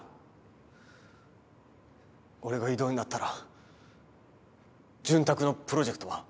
俺が異動になったら潤沢のプロジェクトは。